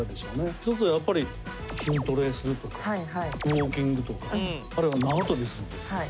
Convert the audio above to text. １つはやっぱり筋トレするとかウォーキングとかあるいは縄跳びするとか。